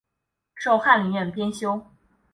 授翰林院编修。